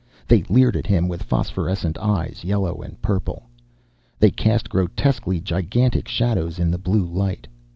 They leered at him with phosphorescent eyes, yellow and purple. They cast grotesquely gigantic shadows in the blue light....